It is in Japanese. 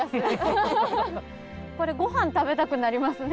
これごはん食べたくなりますね。